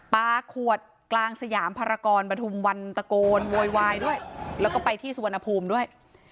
ปลาขวดกลางสยามภารกรปฐุมวันตะโกนโวยวายด้วยแล้วก็ไปที่สุวรรณภูมิด้วย